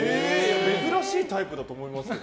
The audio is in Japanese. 珍しいタイプだと思いますよ。